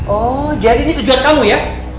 oh jadi ini tujuan kamu ya